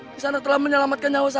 kisanak telah menyelamatkan nyawa saya